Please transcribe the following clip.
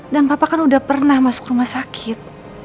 dan papa kan udah pernah masuk rumah sakit